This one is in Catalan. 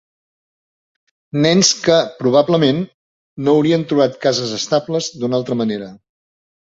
Nens que, probablement, no haurien trobat cases estables d'una altra manera.